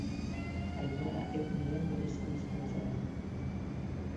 Aimara etniaren berezko hizkuntza da.